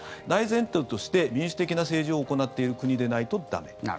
大前提として、民主的な政治を行っている国でないと駄目。